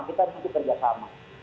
kita butuh kerjasama